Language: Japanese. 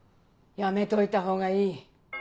やめといたほうがいい。